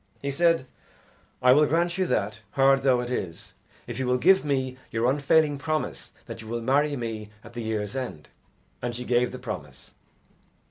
He said, "I will grant you that, hard though it is, if you will give me your unfailing promise that you will marry me at the year's end." And she gave the promise.